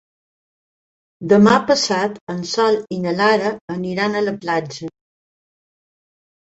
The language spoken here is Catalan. Demà passat en Sol i na Lara aniran a la platja.